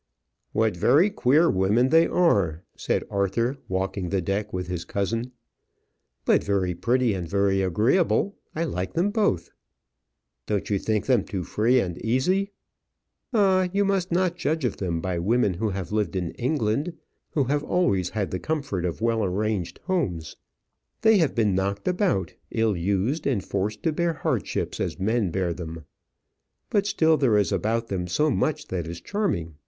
"What very queer women they are!" said Arthur, walking the deck with his cousin. "But very pretty, and very agreeable. I like them both." "Don't you think them too free and easy?" "Ah, you must not judge of them by women who have lived in England, who have always had the comfort of well arranged homes. They have been knocked about, ill used, and forced to bear hardships as men bear them; but still there is about them so much that is charming.